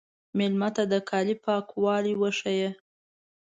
مېلمه ته د کالي پاکوالی وښیه.